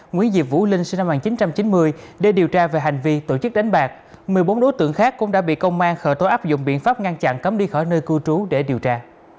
nguyễn diệp vũ linh sinh năm một nghìn chín trăm chín mươi để điều tra về hành vi tổ chức đánh bạc một mươi bốn đối tượng khác cũng đã bị công an khởi tố áp dụng biện pháp ngăn chặn cấm đi khỏi nơi cư trú để điều tra